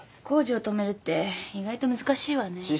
工事を止めるって意外と難しいわね。